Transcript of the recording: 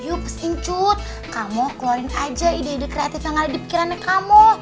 yuk sing cut kamu keluarin aja ide ide kreatif yang ada di pikirannya kamu